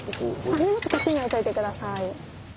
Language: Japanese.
荷物こっちに置いといて下さい。